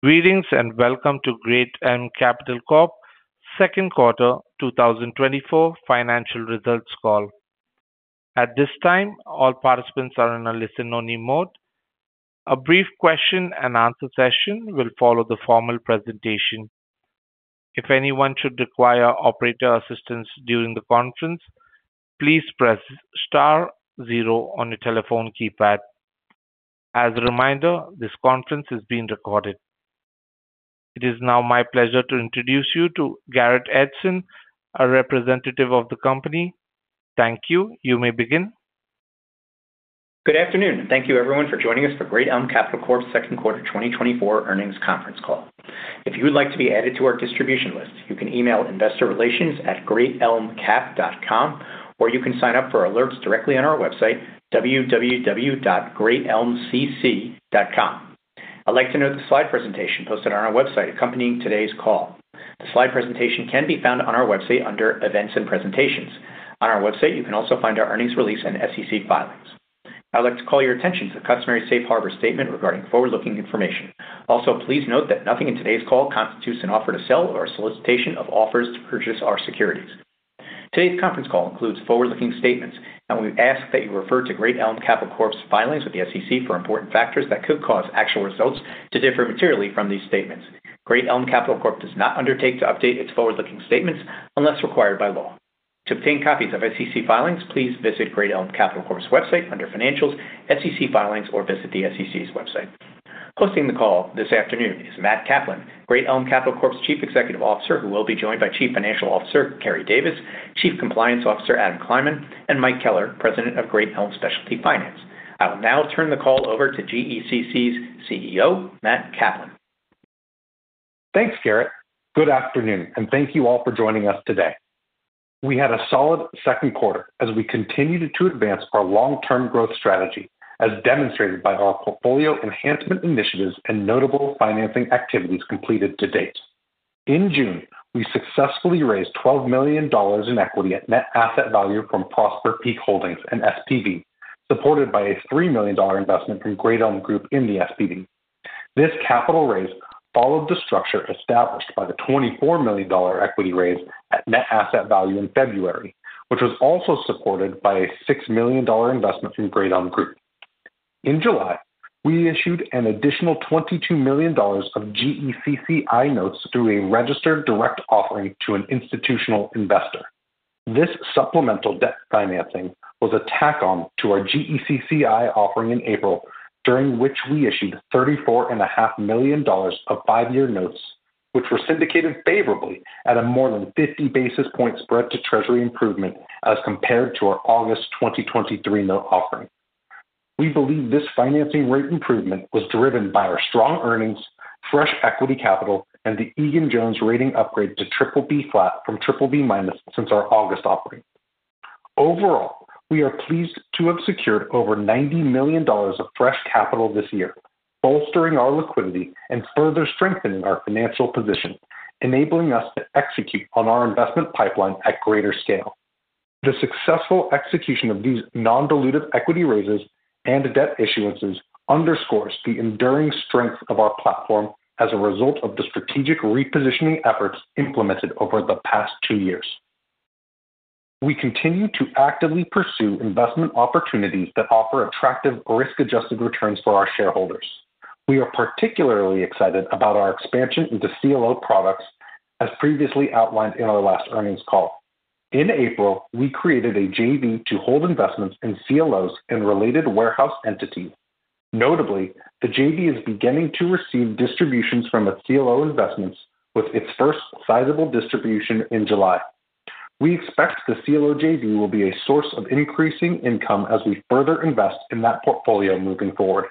Greetings and welcome to Great Elm Capital Corp. Second Quarter 2024 Financial Results Call. At this time, all participants are in a listen-only mode. A brief question-and-answer session will follow the formal presentation. If anyone should require operator assistance during the conference, please press *0 on your telephone keypad. As a reminder, this conference is being recorded. It is now my pleasure to introduce you to Garrett Edson, a representative of the company. Thank you. You may begin. Good afternoon. Thank you, everyone, for joining us for Great Elm Capital Corp's Second Quarter 2024 Earnings Conference Call. If you would like to be added to our distribution list, you can email investorrelations@greatelmcap.com, or you can sign up for alerts directly on our website, www.greatelmcc.com. I'd like to note the slide presentation posted on our website accompanying today's call. The slide presentation can be found on our website under Events and Presentations. On our website, you can also find our earnings release and SEC filings. I'd like to call your attention to the customary safe harbor statement regarding forward-looking information. Also, please note that nothing in today's call constitutes an offer to sell or a solicitation of offers to purchase our securities. Today's conference call includes forward-looking statements, and we ask that you refer to Great Elm Capital Corp's filings with the SEC for important factors that could cause actual results to differ materially from these statements. Great Elm Capital Corp does not undertake to update its forward-looking statements unless required by law. To obtain copies of SEC filings, please visit Great Elm Capital Corp's website under Financials, SEC filings, or visit the SEC's website. Hosting the call this afternoon is Matt Kaplan, Great Elm Capital Corp's Chief Executive Officer, who will be joined by Chief Financial Officer Keri Davis, Chief Compliance Officer Adam Kleinman, and Mike Keller, President of Great Elm Specialty Finance. I will now turn the call over to GECC's CEO, Matt Kaplan. Thanks, Garrett. Good afternoon, and thank you all for joining us today. We had a solid second quarter as we continued to advance our long-term growth strategy, as demonstrated by our portfolio enhancement initiatives and notable financing activities completed to date. In June, we successfully raised $12 million in equity at net asset value from Prosper Peak Holdings, an SPV, supported by a $3 million investment from Great Elm Group in the SPV. This capital raise followed the structure established by the $24 million equity raise at net asset value in February, which was also supported by a $6 million investment from Great Elm Group. In July, we issued an additional $22 million of GECCI notes through a registered direct offering to an institutional investor. This supplemental debt financing was a tack-on to our GECCI offering in April, during which we issued $34.5 million of five-year notes, which were syndicated favorably at a more than 50 basis point spread to treasury improvement as compared to our August 2023 note offering. We believe this financing rate improvement was driven by our strong earnings, fresh equity capital, and the Egan-Jones rating upgrade to BBB flat from BBB minus since our August offering. Overall, we are pleased to have secured over $90 million of fresh capital this year, bolstering our liquidity and further strengthening our financial position, enabling us to execute on our investment pipeline at greater scale. The successful execution of these non-dilutive equity raises and debt issuances underscores the enduring strength of our platform as a result of the strategic repositioning efforts implemented over the past two years. We continue to actively pursue investment opportunities that offer attractive risk-adjusted returns for our shareholders. We are particularly excited about our expansion into CLO products, as previously outlined in our last earnings call. In April, we created a JV to hold investments in CLOs and related warehouse entities. Notably, the JV is beginning to receive distributions from its CLO investments, with its first sizable distribution in July. We expect the CLO JV will be a source of increasing income as we further invest in that portfolio moving forward.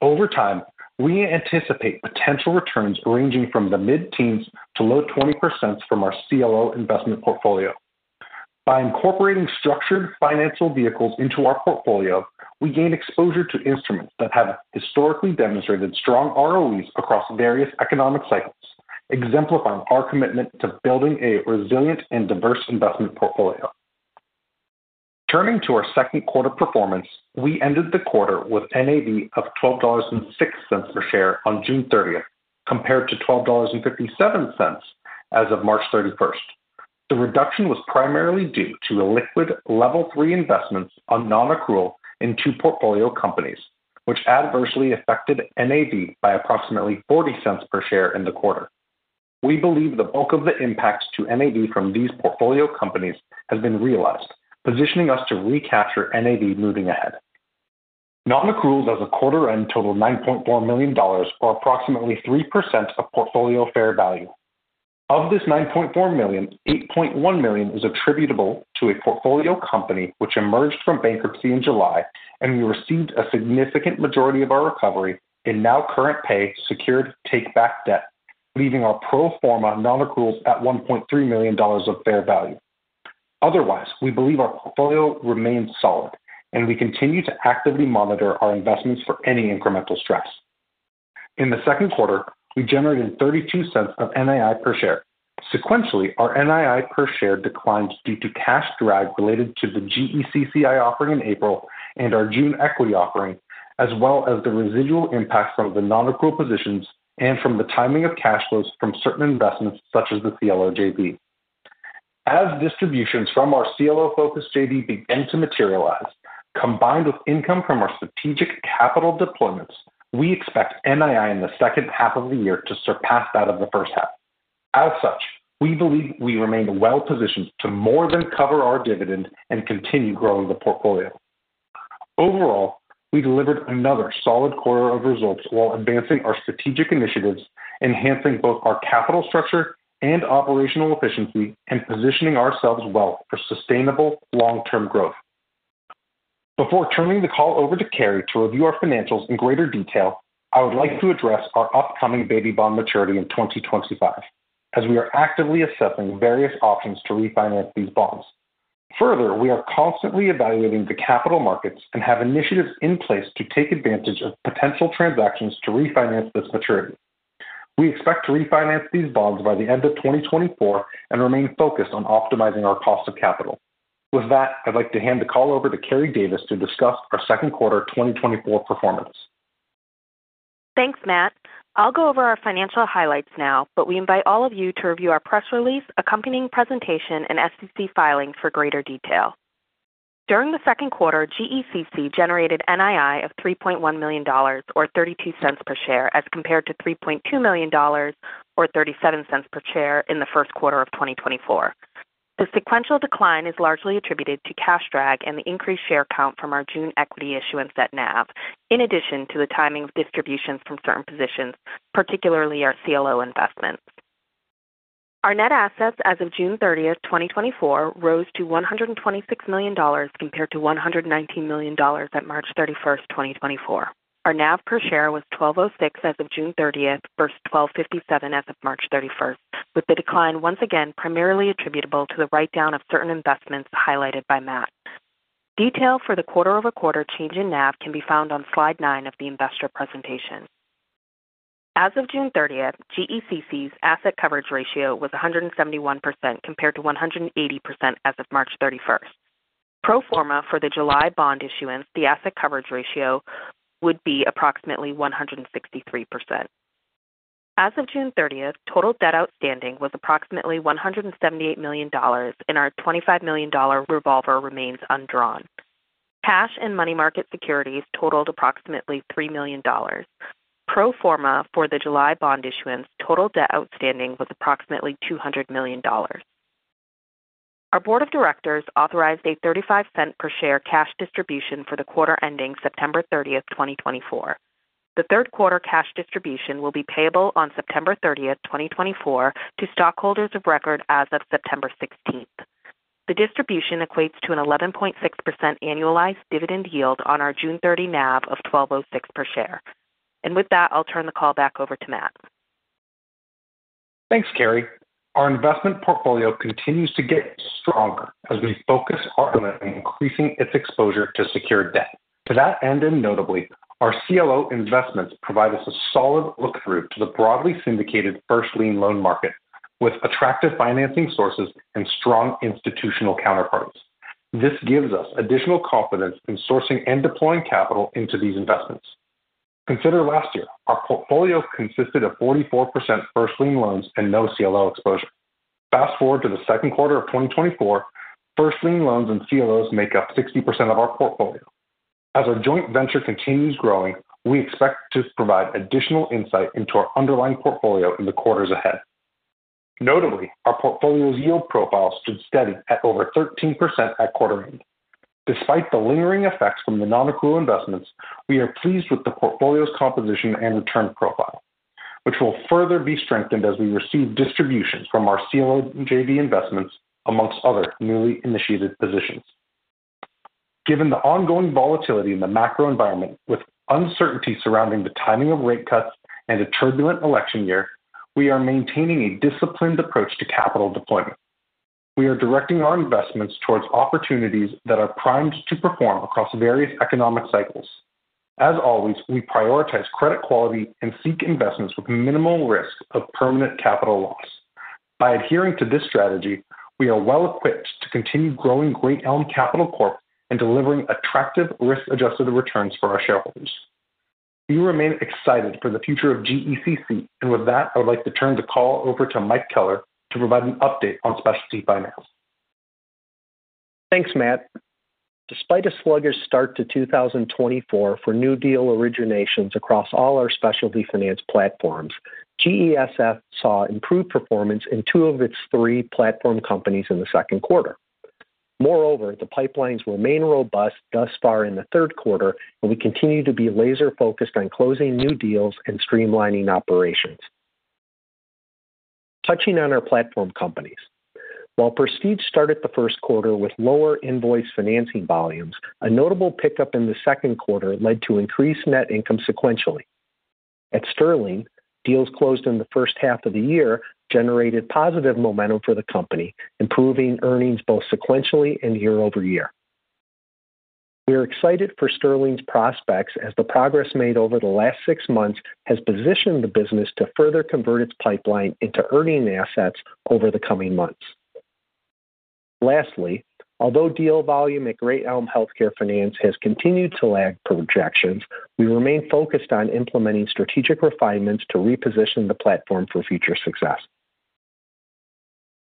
Over time, we anticipate potential returns ranging from the mid-teens to low 20% from our CLO investment portfolio. By incorporating structured financial vehicles into our portfolio, we gain exposure to instruments that have historically demonstrated strong ROEs across various economic cycles, exemplifying our commitment to building a resilient and diverse investment portfolio. Turning to our second quarter performance, we ended the quarter with NAV of $12.06 per share on June 30, compared to $12.57 as of March 31. The reduction was primarily due to illiquid Level 3 investments on non-accrual in two portfolio companies, which adversely affected NAV by approximately $0.40 per share in the quarter. We believe the bulk of the impact to NAV from these portfolio companies has been realized, positioning us to recapture NAV moving ahead. Non-accruals as of quarter-end totaled $9.4 million, or approximately 3% of portfolio fair value. Of this $9.4 million, $8.1 million is attributable to a portfolio company which emerged from bankruptcy in July, and we received a significant majority of our recovery in now current pay secured take-back debt, leaving our pro forma non-accruals at $1.3 million of fair value. Otherwise, we believe our portfolio remains solid, and we continue to actively monitor our investments for any incremental stress. In the second quarter, we generated $0.32 of NII per share. Sequentially, our NII per share declined due to cash drag related to the GECCI offering in April and our June equity offering, as well as the residual impact from the non-accrual positions and from the timing of cash flows from certain investments such as the CLO JV. As distributions from our CLO-focused JV begin to materialize, combined with income from our strategic capital deployments, we expect NII in the second half of the year to surpass that of the first half. As such, we believe we remain well-positioned to more than cover our dividend and continue growing the portfolio. Overall, we delivered another solid quarter of results while advancing our strategic initiatives, enhancing both our capital structure and operational efficiency, and positioning ourselves well for sustainable long-term growth. Before turning the call over to Kerry to review our financials in greater detail, I would like to address our upcoming baby bond maturity in 2025, as we are actively assessing various options to refinance these bonds. Further, we are constantly evaluating the capital markets and have initiatives in place to take advantage of potential transactions to refinance this maturity. We expect to refinance these bonds by the end of 2024 and remain focused on optimizing our cost of capital. With that, I'd like to hand the call over to Kerry Davis to discuss our second quarter 2024 performance. Thanks, Matt. I'll go over our financial highlights now, but we invite all of you to review our press release, accompanying presentation, and SEC filings for greater detail. During the second quarter, GECC generated NAI of $3.1 million, or $0.32 per share, as compared to $3.2 million, or $0.37 per share, in the first quarter of 2024. The sequential decline is largely attributed to cash drag and the increased share count from our June equity issuance at NAV, in addition to the timing of distributions from certain positions, particularly our CLO investments. Our net assets as of June 30, 2024, rose to $126 million compared to $119 million at March 31, 2024. Our NAV per share was $12.06 as of June 30 versus $12.57 as of March 31, with the decline once again primarily attributable to the write-down of certain investments highlighted by Matt. Detail for the quarter-over-quarter change in NAV can be found on slide 9 of the investor presentation. As of June 30, GECC's asset coverage ratio was 171% compared to 180% as of March 31. Pro forma for the July bond issuance, the asset coverage ratio would be approximately 163%. As of June 30, total debt outstanding was approximately $178 million, and our $25 million revolver remains undrawn. Cash and money market securities totaled approximately $3 million. Pro forma for the July bond issuance, total debt outstanding was approximately $200 million. Our Board of Directors authorized a $0.35 per share cash distribution for the quarter ending September 30, 2024. The third quarter cash distribution will be payable on September 30, 2024, to stockholders of record as of September 16. The distribution equates to an 11.6% annualized dividend yield on our June 30 NAV of $12.06 per share. With that, I'll turn the call back over to Matt. Thanks, Kerry. Our investment portfolio continues to get stronger as we focus harder on increasing its exposure to secured debt. To that end, and notably, our CLO investments provide us a solid look-through to the broadly syndicated first lien loan market, with attractive financing sources and strong institutional counterparties. This gives us additional confidence in sourcing and deploying capital into these investments. Consider last year. Our portfolio consisted of 44% first lien loans and no CLO exposure. Fast forward to the second quarter of 2024, first lien loans and CLOs make up 60% of our portfolio. As our joint venture continues growing, we expect to provide additional insight into our underlying portfolio in the quarters ahead. Notably, our portfolio's yield profile stood steady at over 13% at quarter-end. Despite the lingering effects from the non-accrual investments, we are pleased with the portfolio's composition and return profile, which will further be strengthened as we receive distributions from our CLO JV investments, amongst other newly initiated positions. Given the ongoing volatility in the macro environment, with uncertainty surrounding the timing of rate cuts and a turbulent election year, we are maintaining a disciplined approach to capital deployment. We are directing our investments towards opportunities that are primed to perform across various economic cycles. As always, we prioritize credit quality and seek investments with minimal risk of permanent capital loss. By adhering to this strategy, we are well-equipped to continue growing Great Elm Capital Corp and delivering attractive risk-adjusted returns for our shareholders. We remain excited for the future of GECC, and with that, I would like to turn the call over to Mike Keller to provide an update on specialty finance. Thanks, Matt. Despite a sluggish start to 2024 for new deal originations across all our specialty finance platforms, GESF saw improved performance in two of its three platform companies in the second quarter. Moreover, the pipelines remain robust thus far in the third quarter, and we continue to be laser-focused on closing new deals and streamlining operations. Touching on our platform companies, while Prestige started the first quarter with lower invoice financing volumes, a notable pickup in the second quarter led to increased net income sequentially. At Sterling, deals closed in the first half of the year generated positive momentum for the company, improving earnings both sequentially and year-over-year. We are excited for Sterling's prospects as the progress made over the last six months has positioned the business to further convert its pipeline into earning assets over the coming months. Lastly, although deal volume at Great Elm Healthcare Finance has continued to lag projections, we remain focused on implementing strategic refinements to reposition the platform for future success.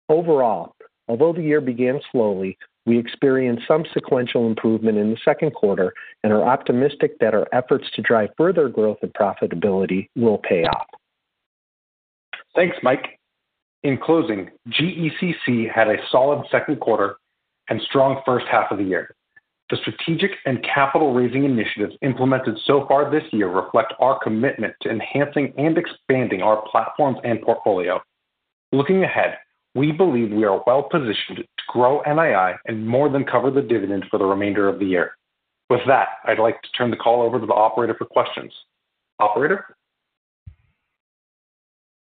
Overall, although the year began slowly, we experienced some sequential improvement in the second quarter and are optimistic that our efforts to drive further growth and profitability will pay off. Thanks, Mike. In closing, GECC had a solid second quarter and strong first half of the year. The strategic and capital-raising initiatives implemented so far this year reflect our commitment to enhancing and expanding our platforms and portfolio. Looking ahead, we believe we are well-positioned to grow NAI and more than cover the dividend for the remainder of the year. With that, I'd like to turn the call over to the operator for questions. Operator?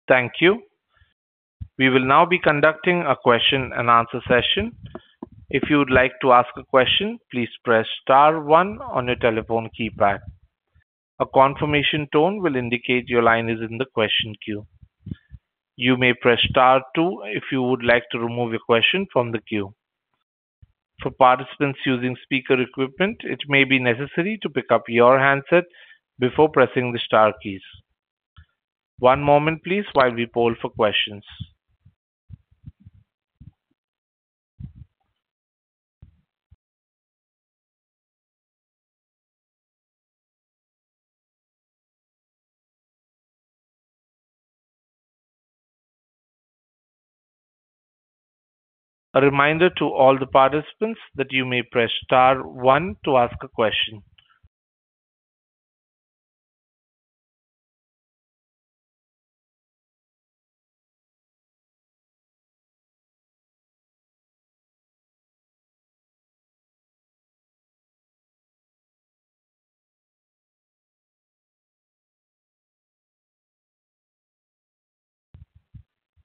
Thank you. We will now be conducting a question-and-answer session. If you would like to ask a question, please press Star 1 on your telephone keypad. A confirmation tone will indicate your line is in the question queue. You may press Star 2 if you would like to remove your question from the queue. For participants using speaker equipment, it may be necessary to pick up your handset before pressing the Star keys. One moment, please, while we poll for questions. A reminder to all the participants that you may press Star 1 to ask a question.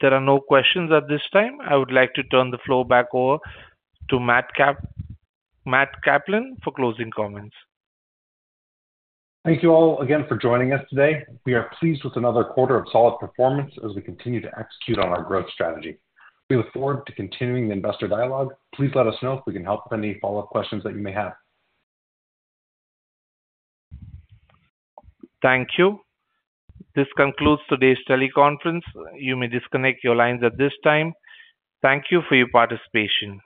There are no questions at this time. I would like to turn the floor back over to Matt Kaplan for closing comments. Thank you all again for joining us today. We are pleased with another quarter of solid performance as we continue to execute on our growth strategy. We look forward to continuing the investor dialogue. Please let us know if we can help with any follow-up questions that you may have. Thank you. This concludes today's teleconference. You may disconnect your lines at this time. Thank you for your participation.